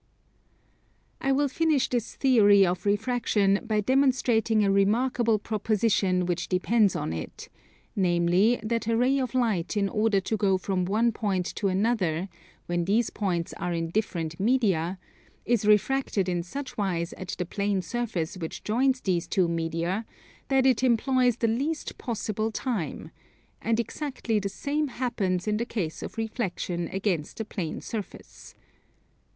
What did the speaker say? I will finish this theory of refraction by demonstrating a remarkable proposition which depends on it; namely, that a ray of light in order to go from one point to another, when these points are in different media, is refracted in such wise at the plane surface which joins these two media that it employs the least possible time: and exactly the same happens in the case of reflexion against a plane surface.